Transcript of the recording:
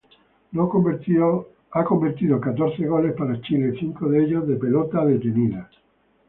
Ha convertido catorce goles para Chile, cinco de ellos de pelota detenida.